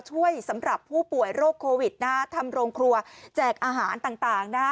ช่วยสำหรับผู้ป่วยโรคโควิดนะฮะทำโรงครัวแจกอาหารต่างนะฮะ